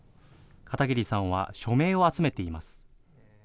片桐さんは署名を集めています。